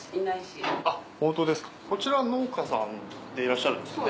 こちら農家さんでいらっしゃるんですよね。